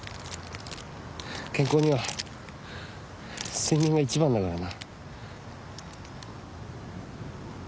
健康には睡眠がいちばんだからな。